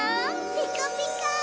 ピカピカ！